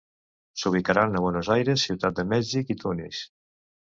S'ubicaran a Buenos Aires, Ciutat de Mèxic i Tunis.